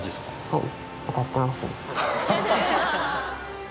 はい。